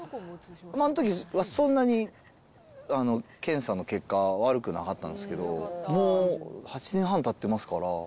あのときはそんなに検査の結果は悪くなかったんですけど、もう８年半たってますから。